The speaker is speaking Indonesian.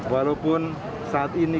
walaupun saat ini